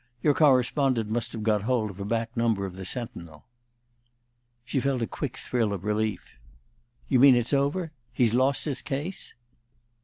Your correspondent must have got hold of a back number of the 'Sentinel.'" She felt a quick thrill of relief. "You mean it's over? He's lost his case?"